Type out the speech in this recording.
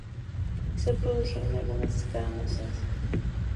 Se produjeron algunas escaramuzas.